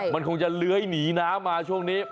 มันคงจะเลื้อยหนีน้ำมาช่วงนี้